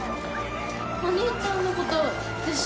お兄ちゃんのことでしょ？